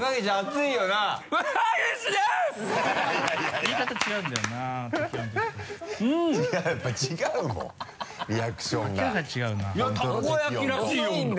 いやたこ焼きらしい温度。